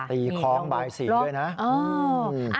ตีคล้องบ่ายศรีด้วยนะ